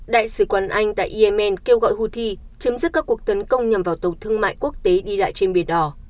đại sứ quán anh tại yemen kêu gọi houthi chấm dứt các cuộc tấn công nhằm vào tàu thương mại quốc tế đi lại trên biển đỏ